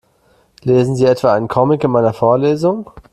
Lesen Sie etwa einen Comic in meiner Vorlesung?